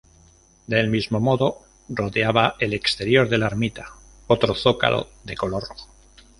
Del mismo modo, rodeaba el exterior de la ermita otro zócalo de color rojo.